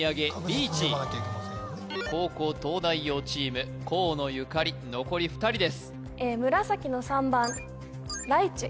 リーチ後攻東大王チーム河野ゆかり残り２人です